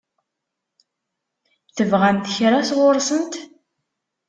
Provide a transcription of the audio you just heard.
Tebɣamt kra sɣur-sent?